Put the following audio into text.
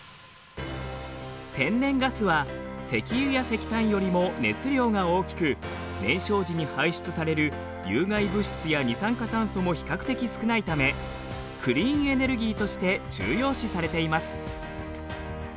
天然ガスは石油や石炭よりも熱量が大きく燃焼時に排出される有害物質や二酸化炭素も比較的少ないためクリーンエネルギーとして重要視されています。